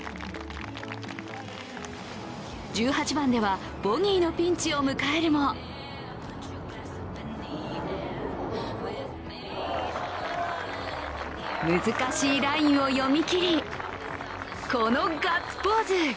１８番ではボギーのピンチを迎えるも難しいラインを読み切りこのガッツポーズ。